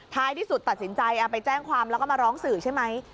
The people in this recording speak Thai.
ที่สุดตัดสินใจเอาไปแจ้งความแล้วก็มาร้องสื่อใช่ไหม